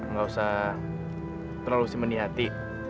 gak usah terlalu simpen di hati